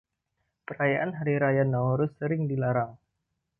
Perayaan hari raya Nowruz sering dilarang.